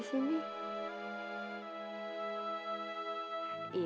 nah pem muria itu